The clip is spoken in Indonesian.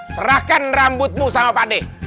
serahkan rambutmu sama pade